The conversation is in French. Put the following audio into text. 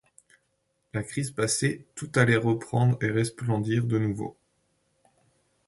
La crise passée, tout allait reprendre et resplendir de nouveau.